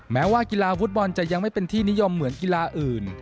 แม้ว่ากีฬาฟุตบอลจะยังไม่เป็นที่นิยมเหมือนกีฬาอื่น